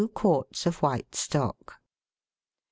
2 quarts of white stock. 5 oz.